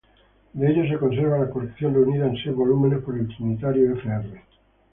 De ellos se conserva la colección reunida en seis volúmenes por el trinitario fr.